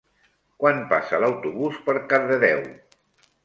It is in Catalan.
Quan passa l'autobús per Cardedeu?